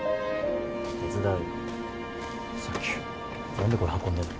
何でこれ運んでんの？